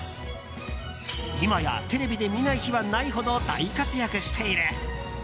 今やテレビで見ない日はないほど大活躍している。